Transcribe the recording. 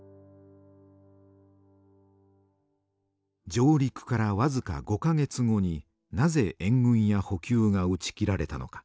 上陸からわずか５か月後になぜ援軍や補給が打ち切られたのか。